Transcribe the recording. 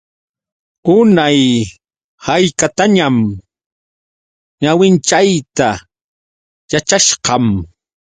Unay haykatañam ñawinchayta yachashqam.